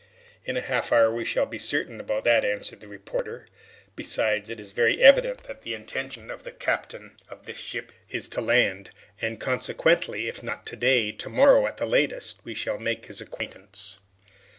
"In half an hour we shall be certain about that," answered the reporter. "Besides, it is very evident that the intention of the captain of this ship is to land, and, consequently, if not today, to morrow at the latest, we shall make his acquaintance."